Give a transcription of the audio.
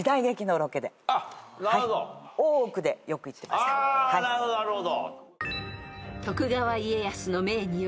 あなるほどなるほど。